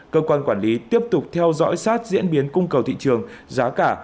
cơ quan quản lý tiếp tục theo dõi sát diễn biến cung cầu thị trường giá cả